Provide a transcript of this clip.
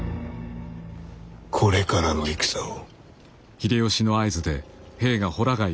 これからの戦を。